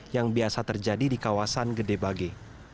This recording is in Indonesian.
yang biasa terjadi di kawasan gedebage